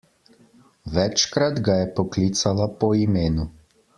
Večkrat ga je poklicala po imenu.